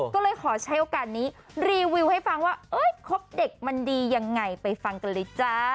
ก็เลยขอใช้โอกาสนี้รีวิวให้ฟังว่าครบเด็กมันดียังไงไปฟังกันเลยจ้า